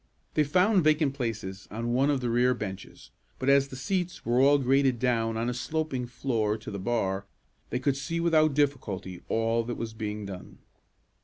They found vacant places on one of the rear benches, but, as the seats were all graded down on a sloping floor to the bar, they could see without difficulty all that was being done.